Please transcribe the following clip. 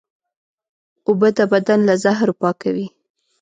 اوبه د بدن له زهرو پاکوي